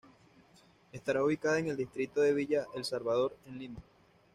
Estará ubicada en el distrito de Villa El Salvador, en Lima.